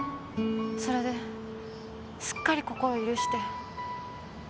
それですっかり心を許して。